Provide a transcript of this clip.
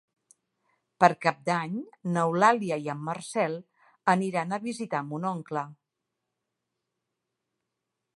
Per Cap d'Any n'Eulàlia i en Marcel aniran a visitar mon oncle.